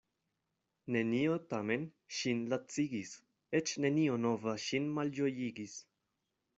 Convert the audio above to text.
Nenio tamen ŝin lacigis, eĉ nenio nova ŝin malĝojigis.